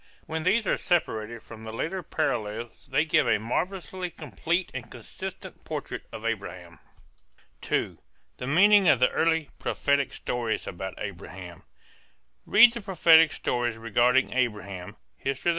When these are separated from the later parallels they give a marvelously complete and consistent portrait of Abraham. II. THE MEANING OF THE EARLY PROPHETIC STORIES ABOUT ABRAHAM. Read the prophetic stories regarding Abraham (_Hist.